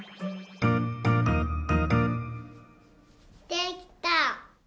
できた！